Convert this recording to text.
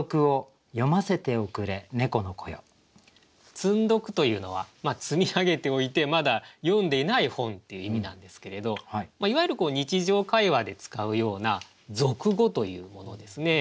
「積ん読」というのは積み上げておいてまだ読んでいない本っていう意味なんですけれどいわゆる日常会話で使うような俗語というものですね。